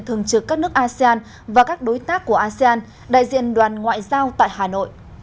thường trực các nước asean và các đối tác của asean đại diện đoàn ngoại giao tại hà nội